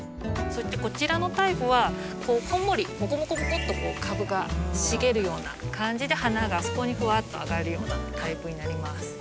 そしてこちらのタイプはこんもりもこもこもこっと株が茂るような感じで花がそこにふわっと上がるようなタイプになります。